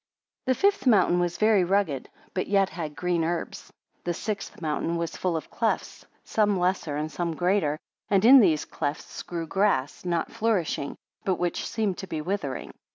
7 The fifth mountain was very rugged; but yet had green herbs. The sixth mountain was full of clefts, some lesser, and some greater; and in these clefts grew grass, not flourishing, but which seemed to be withering.